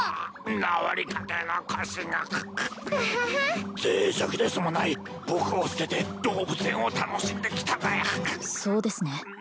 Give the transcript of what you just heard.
治りかけの腰がぜい弱ですまない僕を捨てて動物園を楽しんできたまえそうですね